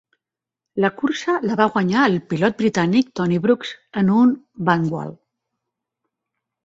La cursa la va guanyar el pilot britànic Tony Brooks en un Vanwall.